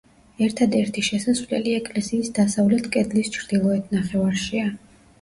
ერთადერთი შესასვლელი ეკლესიის დასავლეთ კედლის ჩრდილოეთ ნახევარშია.